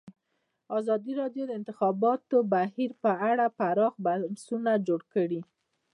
ازادي راډیو د د انتخاباتو بهیر په اړه پراخ بحثونه جوړ کړي.